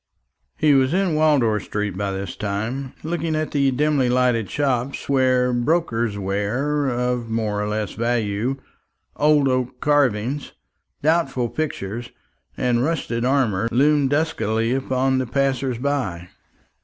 He was in Wardour street by this time, looking at the dimly lighted shops where brokers' ware of more or less value, old oak carvings, doubtful pictures, and rusted armour loomed duskily upon the passer by.